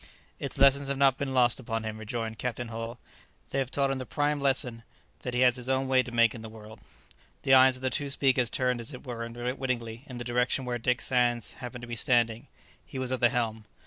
"Its lessons have not been lost upon him," rejoined Captain Hull; "they have taught him the prime lesson that he has his own way to make in the world." The eyes of the two speakers turned as it were unwittingly in the direction where Dick Sands happened to be standing. He was at the helm.